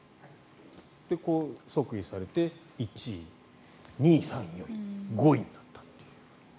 即位されて１位、２位、３位５位になったという。